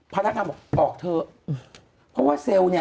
พนักงานบอกออกเถอะเพราะว่าเซลล์เนี่ย